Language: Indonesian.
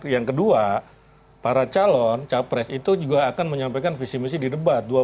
yang kedua para calon capres itu juga akan menyampaikan visi misi di debat